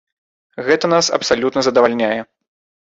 Гэта нас абсалютна задавальняе.